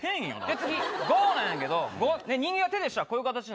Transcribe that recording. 次５なんやけど、５、人間は手にしたらこういう形や。